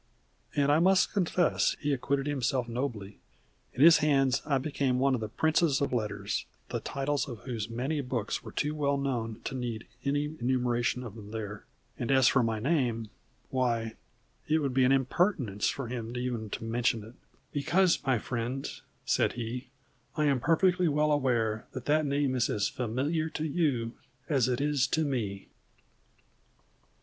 And I must confess he acquitted himself nobly. In his hands I became one of the Princes of Letters, the titles of whose many books were too well known to need any enumeration of them there, and as for my name why, it would be an impertinence for him even to mention it, "because, my friends," said he, "I am perfectly well aware that that name is as familiar to you as it is to me."